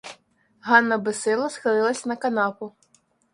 Ганна безсило схилилась на канапу.